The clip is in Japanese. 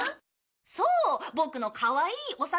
そうボクのかわいいお魚さんたち。